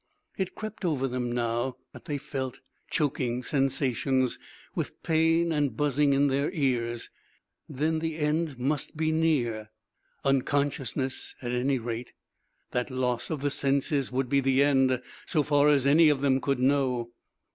It crept over them, now, that they felt choking sensations, with pain and buzzing in their ears. Then the end must be near. Unconsciousness, at any rate. That loss of the senses would be the end, so far as any of them could know.